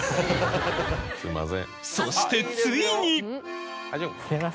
そしてついに。